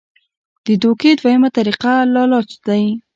د دوکې دویمه طريقه لالچ دے -